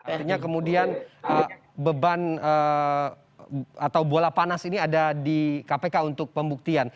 artinya kemudian beban atau bola panas ini ada di kpk untuk pembuktian